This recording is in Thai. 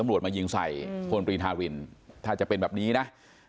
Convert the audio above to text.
ตำรวจมายิงใส่พลตรีธารินถ้าจะเป็นแบบนี้นะ